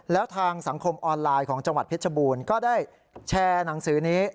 แล้วทางสังคมออนไลน์ของจังหวัดเพชรบูรณ์ก็ได้แชร์หนังสือนี้